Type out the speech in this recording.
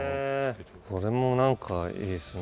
これも何かいいですね。